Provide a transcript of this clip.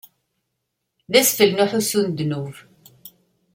D asfel n uḥussu n ddnub.